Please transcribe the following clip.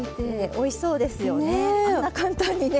おいしそうですよねあんな簡単にね。